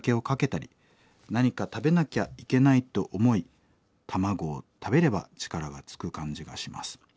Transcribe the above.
何か食べなきゃいけないと思い卵を食べれば力がつく感じがします。